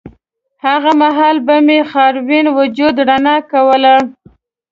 هغه مهال به مې خاورین وجود رڼا کوله